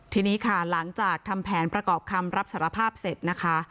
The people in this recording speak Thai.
ทีนี้ค่ะหลังจากทำแผนประกอบคำรับสารภาพเสร็จนะคะ